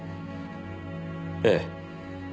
ええ。